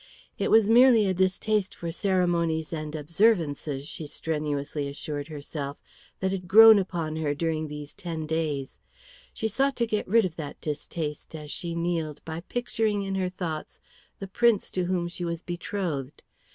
It was merely a distaste for ceremonies and observances, she strenuously assured herself, that had grown upon her during these ten days. She sought to get rid of that distaste, as she kneeled, by picturing in her thoughts the Prince to whom she was betrothed.